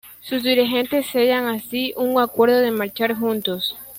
Sus dirigentes sellan así un acuerdo de marchar juntos.